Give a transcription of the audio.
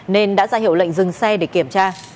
nên đã ra hiệu lệnh dừng xe để kiểm tra